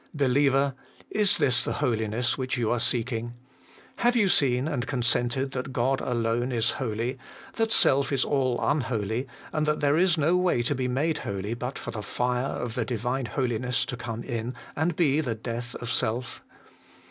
Believer! is this the holiness which you are seeking ? Have you seen and consented that God alone is holy, that self is all unholy, and that there is no way to be made holy but for the fire of the Divine Holiness to come in and be the death of self